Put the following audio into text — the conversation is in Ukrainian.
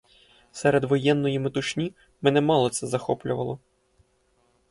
Серед воєнної метушні мене мало це захоплювало.